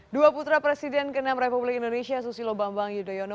dua putra presiden ke enam republik indonesia susilo bambang yudhoyono